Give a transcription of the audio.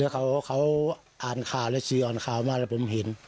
เขาอ่านข่าวแล้วจุดอ่านข่าวมากผมเห็น